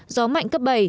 gió mạnh cấp bảy